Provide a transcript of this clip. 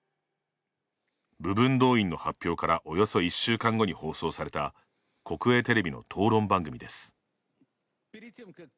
部分動員の発表からおよそ１週間後に放送された国営テレビの討論番組です。